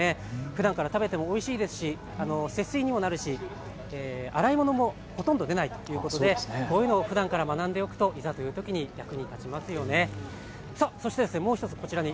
ふだんから食べてもおいしいですし、節水にもなるし洗い物もほとんどでないということでこういうのをふだんから学んでおくといざという時、役立ちますよね。